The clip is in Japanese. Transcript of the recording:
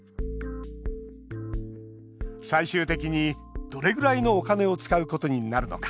最終的に、どれぐらいのお金を使うことになるのか。